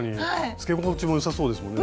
つけ心地もよさそうですもんね。